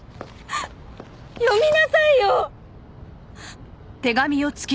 読みなさいよ！